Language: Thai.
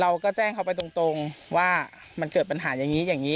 เราก็แจ้งเขาไปตรงว่ามันเกิดปัญหาอย่างนี้อย่างนี้